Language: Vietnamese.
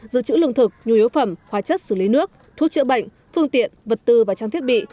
dự trữ lương thực nhu yếu phẩm hóa chất xử lý nước thuốc chữa bệnh phương tiện vật tư và trang thiết bị